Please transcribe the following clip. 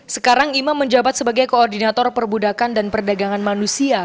sekarang imam menjabat sebagai koordinator perbudakan dan perdagangan manusia